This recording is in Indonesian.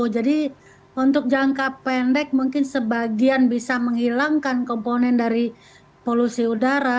jadi untuk jangka pendek mungkin sebagian bisa menghilangkan komponen dari polusi udara